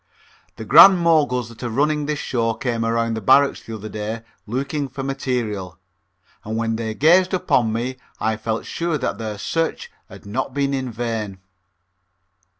The Grand Moguls that are running this show came around the barracks the other day looking for material, and when they gazed upon me I felt sure that their search had not been in vain.